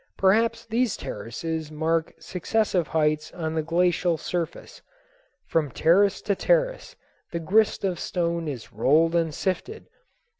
Perhaps these terraces mark successive heights of the glacial surface. From terrace to terrace the grist of stone is rolled and sifted.